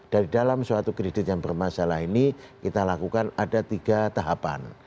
dari dalam suatu kredit yang bermasalah ini kita lakukan ada tiga tahapan